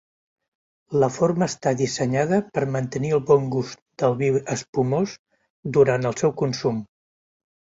La forma està dissenyada per mantenir el bon gust del vi espumós durant el seu consum.